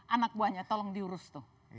anak buahnya tolong diurus tuh